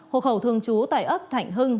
hộ khẩu thương chú tại ấp thạnh hưng